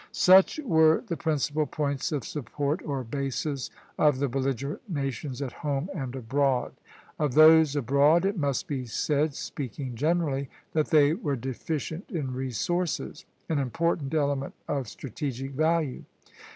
Such were the principal points of support, or bases, of the belligerent nations, at home and abroad. Of those abroad it must be said, speaking generally, that they were deficient in resources, an important element of strategic value.